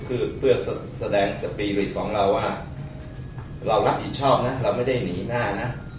คือเพื่อแสดงสปีริตของเราว่าเรารับผิดชอบนะเราไม่ได้หนีหน้านะ